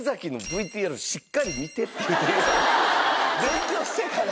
勉強してから。